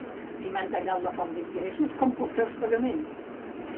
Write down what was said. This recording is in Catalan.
Si m’han tallat la font d’ingressos, com puc fer els pagaments?